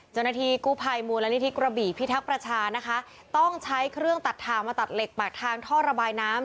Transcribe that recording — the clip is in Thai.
เจ้าหน้าที่กู้ภัยมูลนิธิกระบี่พิทักษ์ประชานะคะต้องใช้เครื่องตัดทางมาตัดเหล็กปากทางท่อระบายน้ำ